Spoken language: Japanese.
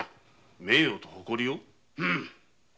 「名誉と誇り」を？